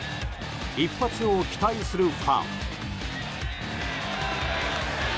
一発を期待するファン。